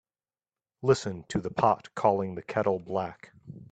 Listen to the pot calling the kettle black.